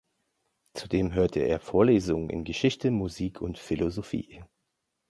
Zudem hörte er Vorlesungen in Geschichte, Musik und Philosophie.